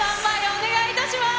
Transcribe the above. お願いします。